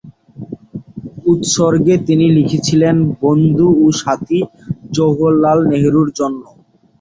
উৎসর্গে তিনি লিখেছিলেন ‘বন্ধু ও সাথী জওহরলাল নেহরুর জন্য’।